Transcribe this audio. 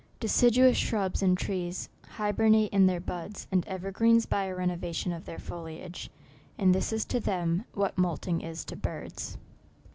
Deciduous shrubs and trees hybernate in their buds, and evergreens by a renovation of their foliage; and this is to them, what moulting is to birds.